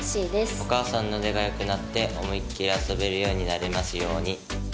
「お母さんの腕が良くなって思いっきり遊べるようになりますように」。